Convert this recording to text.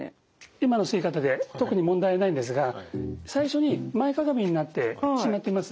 今の吸い方で特に問題はないんですが最初に前かがみになってしまっています。